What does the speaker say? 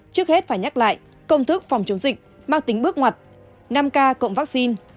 trước hết phải nhắc lại công thức phòng chống dịch mang tính bước ngoặt năm k cộng vaccine